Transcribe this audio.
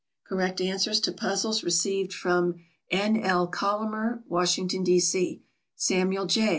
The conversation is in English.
Correct answers to puzzles received from N. L. Collamer, Washington, D. C.; Samuel J.